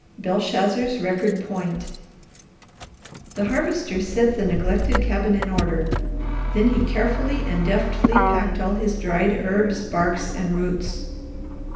BELSHAZZAR'S RECORD POINT The Harvester set the neglected cabin in order; then he carefully and deftly packed all his dried herbs, barks, and roots.